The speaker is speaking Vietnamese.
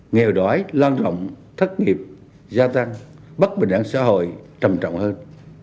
nghèo đoái loan rộng thất nghiệp gia tăng bắt bình đẳng xã hội trầm trọng hơn